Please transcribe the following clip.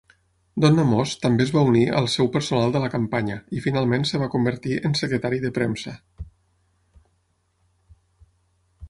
Donna Moss també es va unir al seu personal de la campanya, i finalment es va convertir en secretari de premsa.